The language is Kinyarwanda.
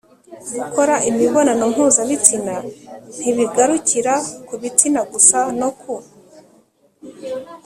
Gukora imibonano mpuzabitsina ntibigarukira ku bitsina gusa no ku